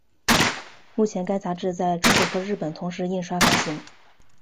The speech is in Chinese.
目前该杂志在中国和日本同时印刷发行。